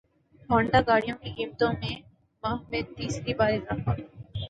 Honda گاڑیوں کی قیمتوں میں ماہ میں تیسری بار اضافہ